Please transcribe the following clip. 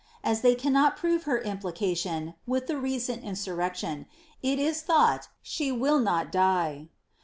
As they cannot prove her implication (with the rec«nt insurrection), it is thought she will not die.